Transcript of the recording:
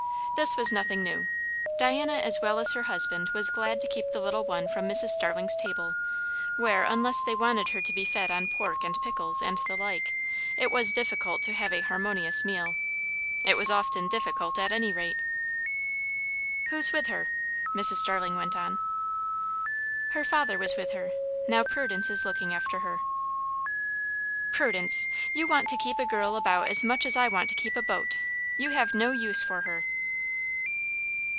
This was nothing new. Diana as well as her husband was glad to keep the little one from Mrs. Starling's table, where, unless they wanted her to be fed on pork and pickles and the like, it was difficult to have a harmonious meal. It was often difficult at any rate! "Who's with her?" Mrs. Starling went on. "Her father was with her. Now Prudence is looking after her." "Prudence! You want to keep a girl about as much as I want to keep a boat. You have no use for her."